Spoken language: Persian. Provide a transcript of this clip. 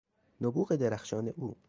نبوغ درخشان او